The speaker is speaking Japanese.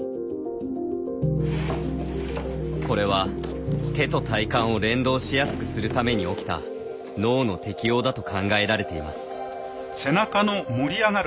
これは手と体幹を連動しやすくするために起きた脳の適応だと考えられています。